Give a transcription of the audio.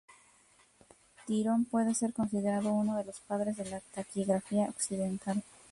Tirón puede ser considerado uno de los padres de la taquigrafía occidental.